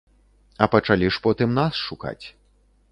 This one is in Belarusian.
А пачалі ж потым нас шукаць.